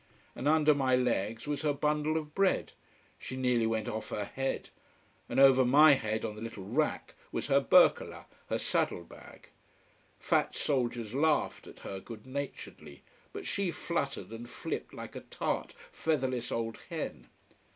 And under my legs was her bundle of bread. She nearly went off her head. And over my head, on the little rack, was her bercola, her saddle bag. Fat soldiers laughed at her good naturedly, but she fluttered and flipped like a tart, featherless old hen.